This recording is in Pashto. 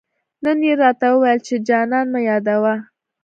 نن يې راته وويل، چي جانان مه يادوه